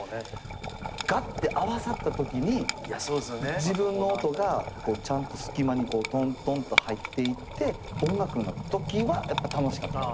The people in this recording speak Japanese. ガッて合わさったときに自分の音がちゃんと隙間にこうトントンと入っていって音楽になったときはやっぱ楽しかった。